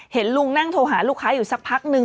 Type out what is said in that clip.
เห็นลุงนั่งโทรหาลูกค้าอยู่สักพักนึง